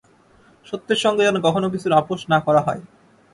সত্যের সঙ্গে যেন কখনও কিছুর আপস না করা হয়।